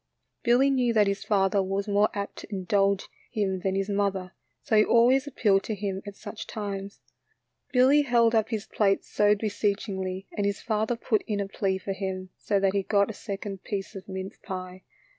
Billy knew that his father was more apt to indulge him than BILLY WILSON'S BOX TRAP. 63 his mother, so he always appealed to him at such times. Billy held up his plate so beseechingly and his father put in a plea for him, so that he got a second piece of mince pie.